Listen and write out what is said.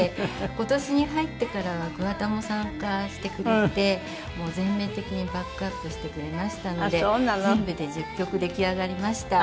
今年に入ってからは桑田も参加してくれて全面的にバックアップしてくれましたので全部で１０曲出来上がりました。